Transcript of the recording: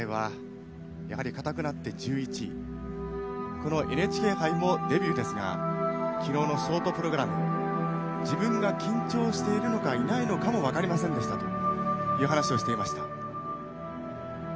このＮＨＫ杯もデビューですが昨日のショートプログラム自分が緊張しているのかいないのかも分かりませんでしたという話をしていました。